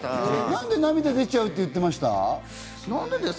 何で涙出ちゃうって言ってました？